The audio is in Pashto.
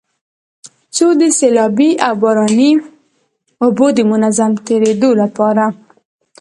څو د سيلابي او باراني اوبو د منظم تېرېدو لپاره